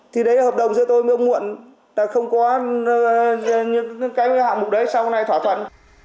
thì đấy là hợp đồng do tôi mua muộn là không có những cái hạng mục đấy sau này thỏa thuận